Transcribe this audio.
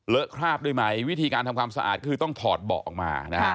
คราบด้วยไหมวิธีการทำความสะอาดคือต้องถอดเบาะออกมานะฮะ